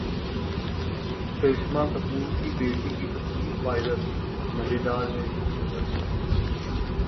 करिश्मा कपूर की बेटी की तस्वीर वायरल, मजेदार है इसकी वजह